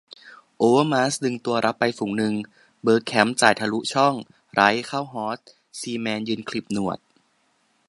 โอเวอร์มาร์สดึงตัวรับไปฝูงนึง เบิร์กแคมป์จ่ายทะลุช่อง ไรต์เข้าฮอส ซีแมนยืนขลิบหนวด